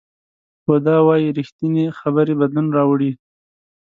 بودا وایي ریښتینې خبرې بدلون راوړي.